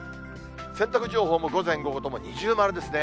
洗濯情報も午前、午後とも二重丸ですね。